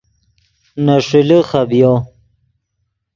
نے ݰیلے خبیو